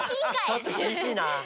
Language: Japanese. ちょっときびしいな！